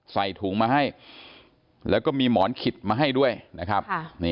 ใส่ถุงมาให้แล้วก็มีหมอนขิดมาให้ด้วยนะครับ